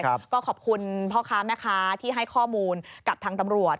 ก็ขอบคุณพ่อค้าแม่ค้าที่ให้ข้อมูลกับทางตำรวจ